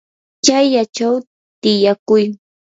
chayllachaw tiyakuy.